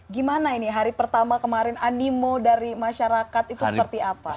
gimana ini hari pertama kemarin animo dari masyarakat itu seperti apa